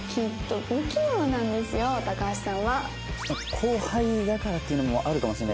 後輩だからっていうのもあるかもしれないですけど